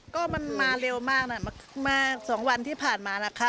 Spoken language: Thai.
ก็มันมาเร็วมากนะมา๒วันที่ผ่านมานะคะ